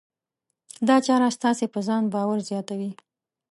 دا چاره ستاسې په ځان باور زیاتوي.